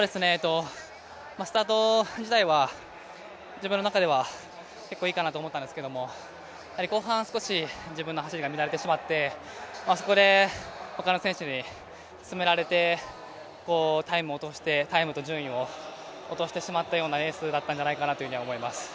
スタート自体は自分の中では、結構いいかなと思ったんですけれども、やはり後半少し自分の走りが乱れてしまってあそこで他の選手に詰められて、タイムと順位を落としてしまったようなレースだったんじゃないかなと思います。